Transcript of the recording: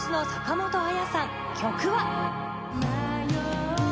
曲は。